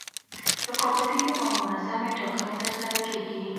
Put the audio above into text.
رقابتي او منظمې ټاکنې ترسره کوي.